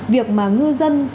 việc mà ngư dân